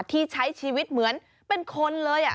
ที่ใช้ชีวิตเหมือนเป็นคนเลย